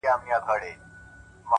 د هر تورى لړم سو ـ شپه خوره سوه خدايه ـ